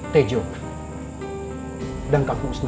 tejo dan kak husna